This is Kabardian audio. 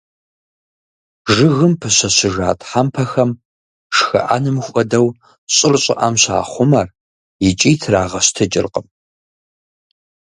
Жыгым пыщэщыжа тхьэмпэхэм, шхыӀэным хуэдэу, щӏыр щӏыӏэм щахъумэр, икӏи трагъэщтыкӀыркъым.